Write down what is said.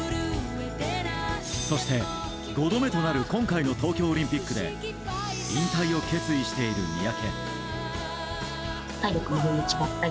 そして５度目となる今回の東京オリンピックで引退を決意している三宅。